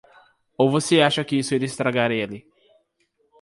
Ou você acha que isso iria estragar ele?